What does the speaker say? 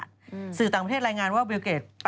พี่ชอบแซงไหลทางอะเนาะ